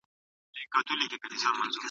په تګ کې شورماشور نه جوړېږي.